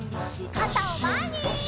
かたをまえに！